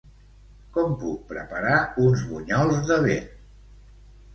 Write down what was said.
Com puc preparar uns bunyols de vent?